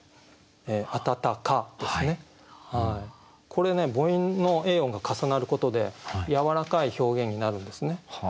これね母音の「ａ音」が重なることでやわらかい表現になるんですね。